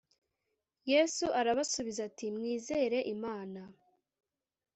Yesu arabasubiza ati Mwizere Imana